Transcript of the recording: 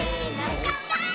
「かんぱーい！！」